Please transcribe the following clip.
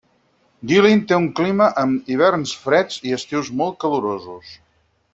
Guilin té un clima amb hiverns freds i estius molt calorosos.